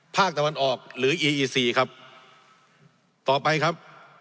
ภาคตะวันออกหรืออีอีซีครับต่อไปครับ